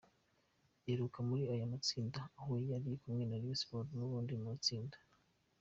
iheruka muri aya matsinda aho yari kumwe na Rayon Sports n’ubundi mu itsinda